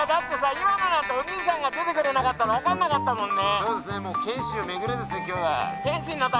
今のなんてお兄さんが出てくれなかったらわからなかったもんね。